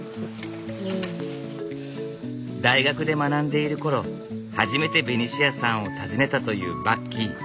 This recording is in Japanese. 大学で学んでいる頃初めてベニシアさんを訪ねたというバッキー。